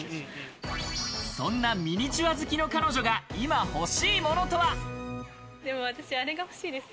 そんなミニチュア好きの彼女があれが欲しいです。